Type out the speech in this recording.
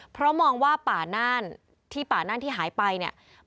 เพราะมองว่าป่าน่านที่ป่าน่านที่หายไปเนี่ย